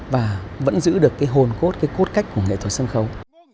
và vẫn giữ được cái hồn cốt cái cốt cách của nghệ thuật sân khấu